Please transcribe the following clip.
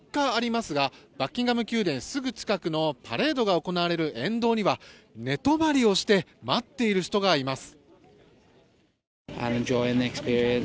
戴冠式まであと４日ありますがバッキンガム宮殿すぐ近くのパレードが行われる沿道には寝泊まりをして待っている人がいます。